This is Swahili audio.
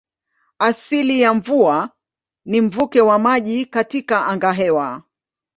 Asili ya mvua ni mvuke wa maji katika angahewa.